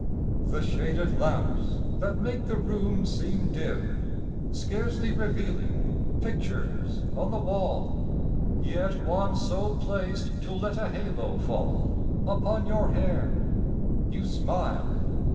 II The shaded lamps that make the room seem dim Scarcely revealing pictures on the wall; Yet one so placed to let a halo fall Upon your hair; you smile!